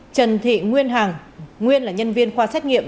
trần thị nguyên hằng nguyên là nhân viên khoa xét nghiệm